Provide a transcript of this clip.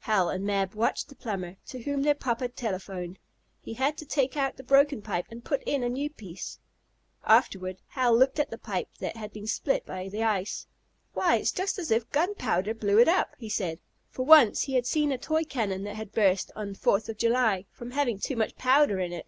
Hal and Mab watched the plumber, to whom their papa telephoned. He had to take out the broken pipe, and put in a new piece. Afterward Hal looked at the pipe that had been split by the ice. "Why it's just as if gun powder blew it up," he said, for once he had seen a toy cannon that had burst on Fourth of July, from having too much powder in it.